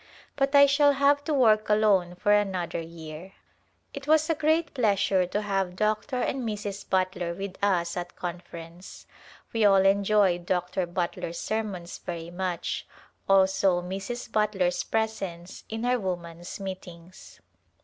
But I shall have to work alone for another year. It was a great pleasure to have Dr. and Mrs. Butler with us at Conference. We all enjoyed Dr. Butler's sermons very much, also Mrs. Butler's presence in our woman's meetings.